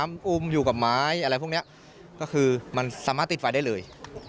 มันอุ้มอยู่กับไม้อะไรพวกนี้ก็คือมันสามารถติดไฟได้เลย